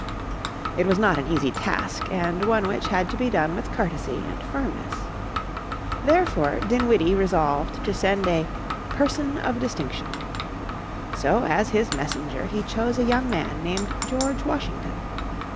It was not an easy task, and one which had to be done with courtesy and firmness. Therefore Dinwiddie resolved to send a "person of distinction." So as his messenger he chose a young man named George Washington.